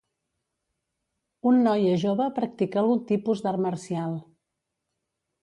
Un noia jove practica algun tipus d'art marcial